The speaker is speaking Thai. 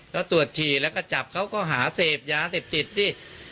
แล้วตรวจฉี่แล้วก็จับเขาก็หาเสพยาเสพติดดิ